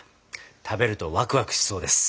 食べるとワクワクしそうです。